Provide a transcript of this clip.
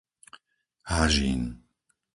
Hažín